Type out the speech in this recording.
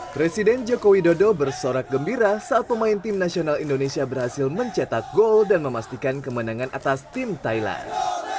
presiden jokowi dodo bersorak gembira saat pemain tim nasional indonesia berhasil mencetak gol dan memastikan kemenangan atas tim thailand